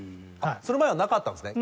その前はなかったんですね？